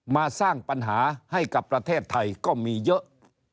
มาสร้างปัญหาให้กับประเทศไทยก็มีเยอะ